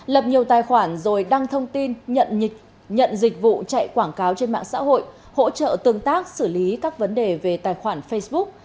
lập nhiều tài khoản rồi đăng thông tin nhận dịch vụ chạy quảng cáo trên mạng xã hội hỗ trợ tương tác xử lý các vấn đề về tài khoản facebook